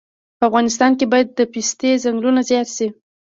په افغانستان کې باید د پستې ځنګلونه زیات شي